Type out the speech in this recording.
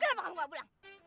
kenapa kamu enggak pulang